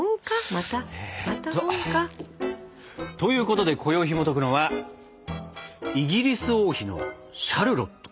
また本か。ということでこよいひもとくのは「イギリス王妃のシャルロット」！